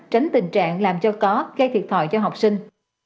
tránh tình trạng làm cho có gây thiệt thòi cho học sinh